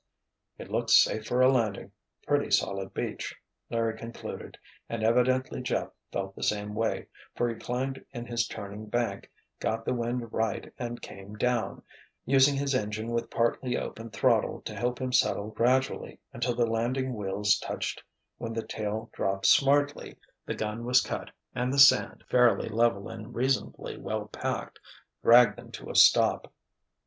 "It looks safe for a landing—pretty solid beach," Larry concluded, and evidently Jeff felt the same way for he climbed in his turning bank, got the wind right and came down, using his engine with partly opened throttle to help him settle gradually until the landing wheels touched when the tail dropped smartly, the gun was cut, and the sand, fairly level and reasonably well packed, dragged them to a stop.